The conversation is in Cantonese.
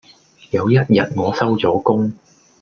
有一日我收咗工